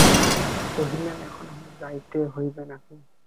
কহিলেন, এখনই যাইতে হইবে নাকি।